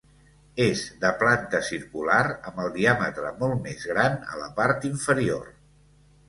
És de planta circular amb el diàmetre molt més gran a la part inferior.